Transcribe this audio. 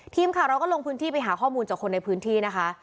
ทีมข่าวเราก็ลงพื้นที่ไปหาข้อมูลจากคนในพื้นที่นะคะ